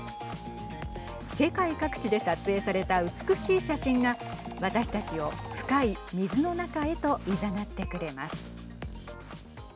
世界各地で撮影された美しい写真が私たちを深い水の中へといざなってくれます。